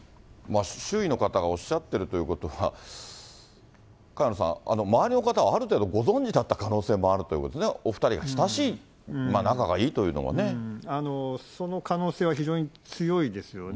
周囲の方がおっしゃってるということは、萱野さん、周りの方はある程度ご存じだった可能性もあるということですかね、お２人が親しい、その可能性は非常に強いですよね。